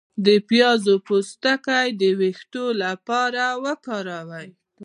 د پیاز پوستکی د ویښتو لپاره وکاروئ